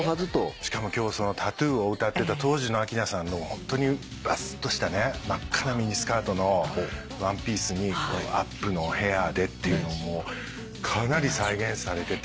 しかも今日その『ＴＡＴＴＯＯ』を歌ってた当時の明菜さんのばすっとした真っ赤なミニスカートのワンピースにアップのヘアでっていうのもかなり再現されてて。